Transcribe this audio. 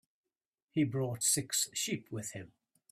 He brought six sheep with him.